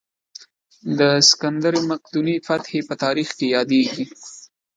د سکندر مقدوني فتحې په تاریخ کې یادېږي.